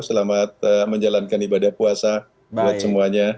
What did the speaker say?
selamat menjalankan ibadah puasa buat semuanya